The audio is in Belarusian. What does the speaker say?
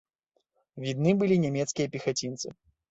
Відны былі нямецкія пехацінцы.